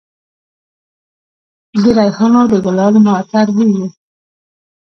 د ریحانو د ګلانو معطر بوی و